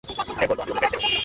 সে বলল, আমি অমুকের ছেলে অমুক।